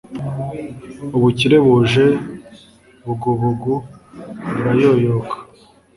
ubukire buje bugubugu burayoyoka